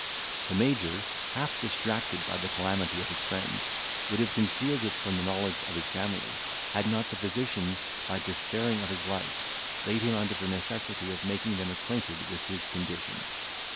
The Major, half distracted by the calamity of his friend, would have concealed it from the knowledge of his family, had not the physician, by despairing of his life, laid him under the necessity of making them acquainted with his condition.